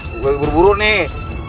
bukan berburu buru nih